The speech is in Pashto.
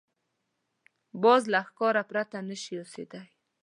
باز له ښکار پرته نه شي اوسېدای